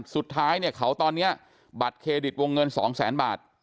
สุดท้ายเนี่ยเขาตอนนี้บัตรเครดิตวงเงิน๒แสนบาท